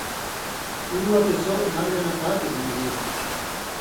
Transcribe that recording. اُو وتے سو (مرگہ نہ پاتیۡ زِندگی) ہو تھی